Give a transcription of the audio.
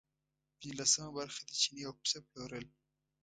پنځلسمه برخه د چیني او پسه پلورل.